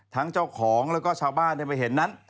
เจ้าของแล้วก็ชาวบ้านได้ไปเห็นนั้น